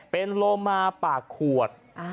เป็นโลมาปากขวด